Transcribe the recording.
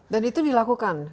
dan itu dilakukan